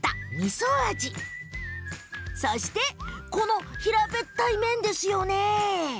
そしてこの平べったい麺ですよね。